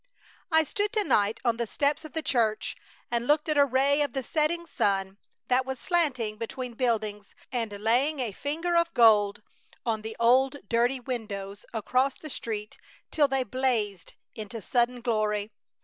I stood to night on the steps of the church and looked at a ray of the setting sun that was slanting between buildings and laying a finger of gold on the old dirty windows across the street till they blazed into sudden glory.